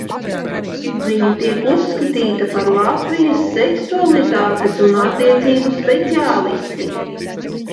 Viņa tiek uzskatīta par Latvijas seksualitātes un attiecību speciālisti.